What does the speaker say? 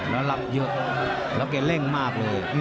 แล้วรับเยอะแล้วแกเร่งมากเลย